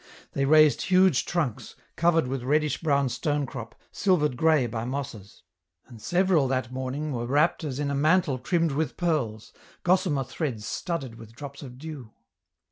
They raised huge trunks, covered with reddish brown stonecrop, silvered grey by mosses ; and several that morning were wrapped as in a mantle trimmed with pearls, gossamer threads studded with drops of dew.